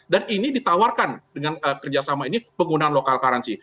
dan ini ditawarkan dengan kerjasama ini penggunaan lokal karansi